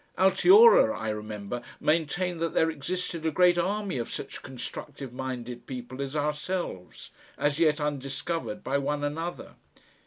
Altiora, I remember, maintained that there existed a great army of such constructive minded people as ourselves as yet undiscovered by one another.